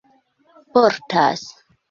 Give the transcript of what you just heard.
portas